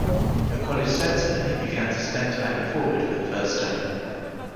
A college center, he began to spend time at forward for the first time.